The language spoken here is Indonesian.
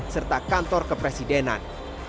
serta kantor kepresidenan